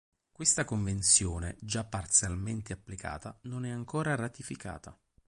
Questa convenzione, già parzialmente applicata, non è ancora ratificata.